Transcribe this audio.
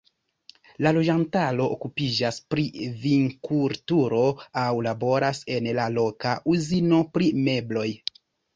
La loĝantaro okupiĝas pri vinkulturo aŭ laboras en la loka uzino pri mebloj.